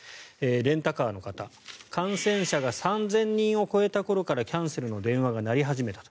レンタカーの方、感染者が３０００人を超えた頃からキャンセルの電話が鳴り始めた。